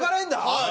はい。